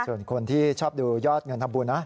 ส่วนคนที่ชอบดูยอดเงินทำบุญนะ